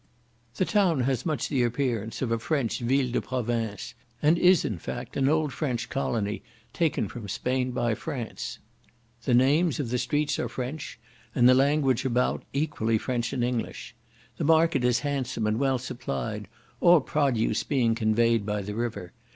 The town has much the appearance of a French Ville de Province, and is, in fact, an old French colony taken from Spain by France. The names of the streets are French, and the language about equally French and English. The market is handsome and well supplied, all produce being conveyed by the river.